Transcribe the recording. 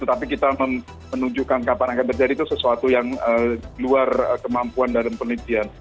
tetapi kita menunjukkan kapan akan terjadi itu sesuatu yang luar kemampuan dalam penelitian